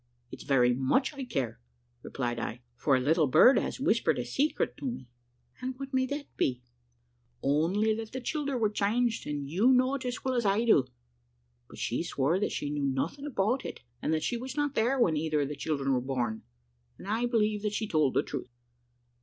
"`It's very much I care,' replied I, `for a little bird has whispered a secret to me.' "`And what may that be?' says she. "`Only that the childer were changed, and you know it as well as I do.' But she swore that she knew nothing about it, and that she was not there when either of the children were born, and I believe that she told the truth.